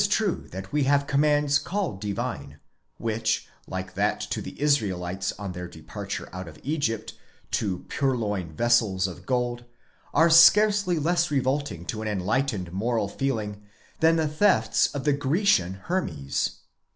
true that we have commands called divine, which, like that to the Israelites on their departure out of Egypt to purloin vessels of gold, are scarcely less revolting to an enlightened moral feeling, than the thefts of the Grecian Hermes.